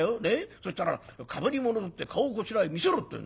そしたらかぶり物を取って顔をこちらへ見せろって言うんだ。